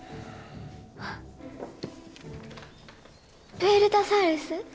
プエルタサウルス？